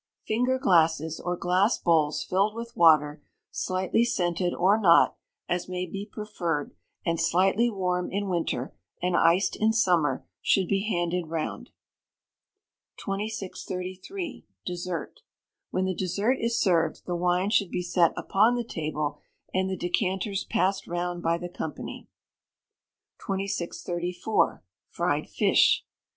Finger glasses, or glass bowls, filled with water, slightly scented or not, as may be preferred, and slightly warm in winter, and iced in summer, should be handed round. 2633. Dessert. When the dessert is served, the wine should be set upon the table, and the decanters passed round by the company. 2634. Fried Fish.